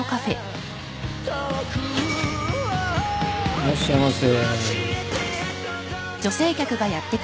・いらっしゃいませ。